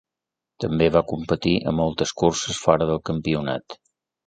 També va competir a moltes curses fora del campionat.